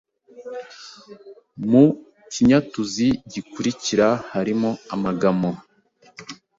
Mu kinyatuzu gikurikira harimo amagamo